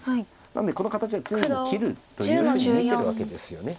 なのでこの形が常に切るというふうに見てるわけですよね。